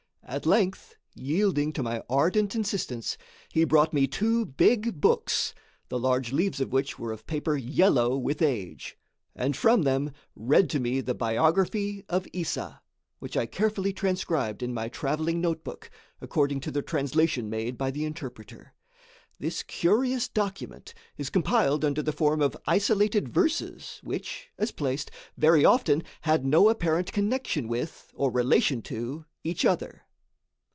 At length, yielding to my ardent insistence, he brought me two big books, the large leaves of which were of paper yellow with age, and from them read to me the biography of Issa, which I carefully transcribed in my travelling notebook according to the translation made by the interpreter. This curious document is compiled under the form of isolated verses, which, as placed, very often had no apparent connection with, or relation to each other.